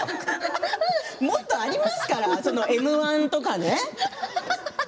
もっとありますからねＭ−１とかね。